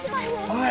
はい。